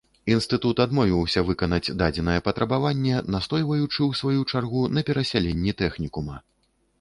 Інстытут адмовіўся выканаць дадзенае патрабаванне, настойваючы, у сваю чаргу, на перасяленні тэхнікума.